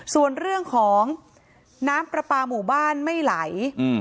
ส่วนเรื่องของน้ำปลาปลาหมู่บ้านไม่ไหล